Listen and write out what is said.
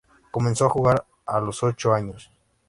Comenzó a jugar a los ocho años.